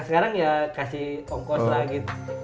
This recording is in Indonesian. sekarang ya kasih ongkos lagi